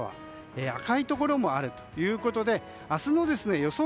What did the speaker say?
赤いところもあるということで明日の予想